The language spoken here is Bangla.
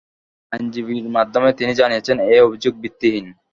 আইনজীবীর মাধ্যমে তিনি জানিয়েছেন, এ অভিযোগ ভিত্তিহীন।